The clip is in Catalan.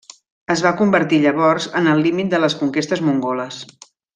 Es va convertir llavors en el límit de les conquestes mongoles.